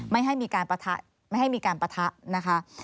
ไม่ให้มีการปะทะไม่ให้มีการปะทะนะคะ